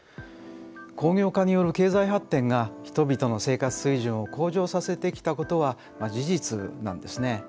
工業化による経済発展が人々の生活水準を向上させてきたことは事実なんですね。